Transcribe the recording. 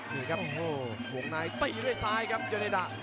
นี่ครับห่วงนายติดด้วยซ้ายครับยนต์เนด่า